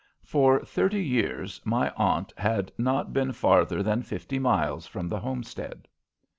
For thirty years my aunt had not been farther than fifty miles from the homestead.